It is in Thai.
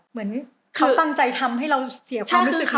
เหมือนเขาตั้งใจทำให้เราเสียความรู้สึกค่ะ